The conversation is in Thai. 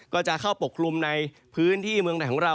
ก็จะเข้าปกคลุมในพื้นที่เมืองไหนของเรา